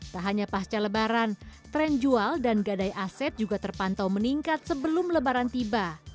tak hanya pasca lebaran tren jual dan gadai aset juga terpantau meningkat sebelum lebaran tiba